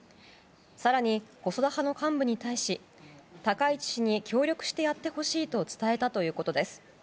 更に、細田派の幹部に対し高市氏に協力してやってほしいと伝えたということです。